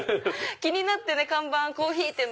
気になって看板コーヒーって。